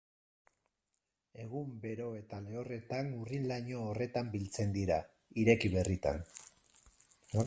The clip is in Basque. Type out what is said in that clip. Egun bero eta lehorretan urrin-laino horretan biltzen dira, ireki berritan.